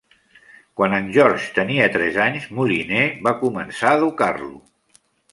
Quan en George tenia tres anys, Molineux va començar a educar-lo.